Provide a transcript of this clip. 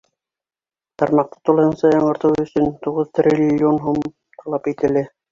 Тармаҡты тулыһынса яңыртыу өсөн туғыҙ триллион һум талап ителә.